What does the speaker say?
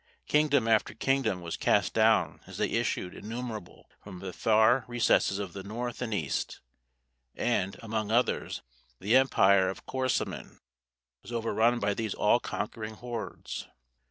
Kingdom after kingdom was cast down as they issued, innumerable, from the far recesses of the North and East, and, among others, the empire of Korasmin was overrun by these all conquering hordes.